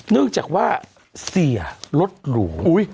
เนื่องจากว่าเสียรถหรู